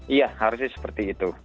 iya harusnya seperti itu